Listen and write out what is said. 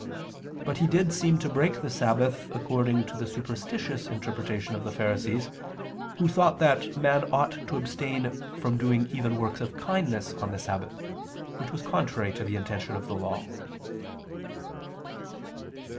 But He did seem to break the sabbath according to the superstitious interpretation of the Pharisees, who thought that man ought to abstain from doing even works of kindness on the sabbath; which was contrary to the intention of the Law.